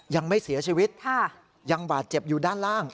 ยังไม่เสียชีวิตยังบาดเจ็บอยู่ด้านล่าง